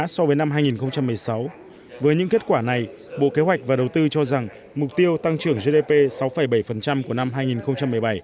so với năm hai nghìn một mươi sáu với những kết quả này bộ kế hoạch và đầu tư cho rằng mục tiêu tăng trưởng gdp sáu bảy của năm hai nghìn một mươi bảy